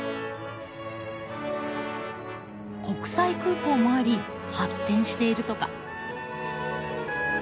国際空港もあり発展しているとか。